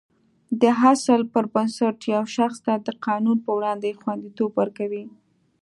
دا اصل پر بنسټ یو شخص ته د قانون په وړاندې خوندیتوب ورکوي.